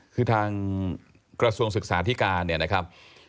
คือทางกระทรวงศึกษาธิการเนี่ยนะครับ